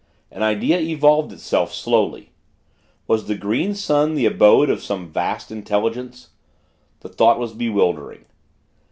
An idea evolved itself, slowly. Was the Green Sun the abode of some vast Intelligence? The thought was bewildering.